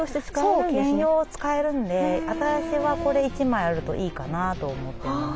そう兼用使えるんで私はこれ１枚あるといいかなと思ってます。